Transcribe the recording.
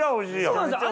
そうなんですよ